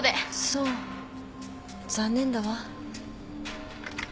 そう残念だわ。